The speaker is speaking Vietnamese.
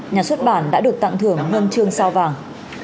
nhà xuất bản đã được tặng thưởng huân chương sao vàng